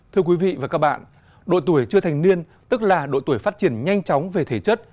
thưa quý vị và các bạn đội tuổi chưa thành niên tức là đội tuổi phát triển nhanh chóng về thể chất